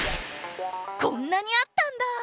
こんなにあったんだ！